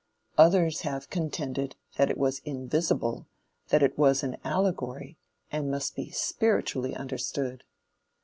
Others have contended that it was invisible, that it was an allegory, and must be spiritually understood.